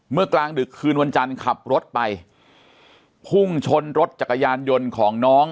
กลางดึกคืนวันจันทร์ขับรถไปพุ่งชนรถจักรยานยนต์ของน้อง